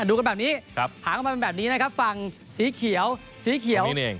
ดูกันแบบนี้หางออกมาแบบนี้นะครับฝั่งสีเขียว